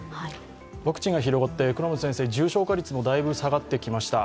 ワクチンが広がって重症化率もだいぶ下がってきました。